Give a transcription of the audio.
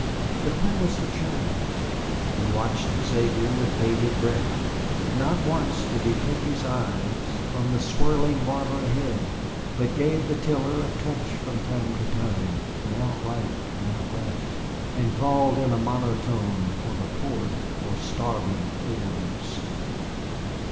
But where was the channel? We watched Xavier with bated breath. Not once did he take his eyes from the swirling water ahead, but gave the tiller a touch from time to time, now right, now left, and called in a monotone for the port or starboard oars.